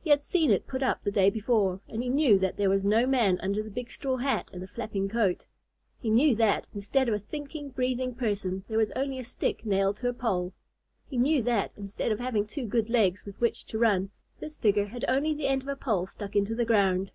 He had seen it put up the day before, and he knew that there was no man under the big straw hat and the flapping coat. He knew that, instead of a thinking, breathing person, there was only a stick nailed to a pole. He knew that, instead of having two good legs with which to run, this figure had only the end of a pole stuck into the ground.